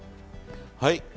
はい。